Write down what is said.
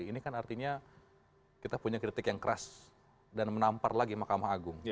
ini kan artinya kita punya kritik yang keras dan menampar lagi mahkamah agung